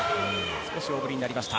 少し大振りになりました。